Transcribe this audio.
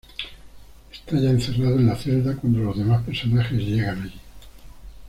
Está ya encerrado en la celda cuando los demás personajes llegan allí.